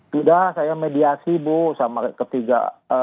tidak saya mediasi bu sama ketiga